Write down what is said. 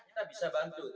kita bisa bantu